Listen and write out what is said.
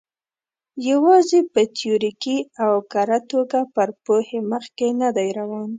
یوازې په تیوریکي او کره توګه پر پوهې مخکې نه دی روان.